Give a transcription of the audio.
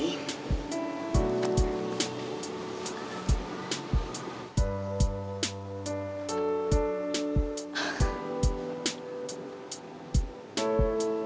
sesungguhnya udah ngerjainusinkan hai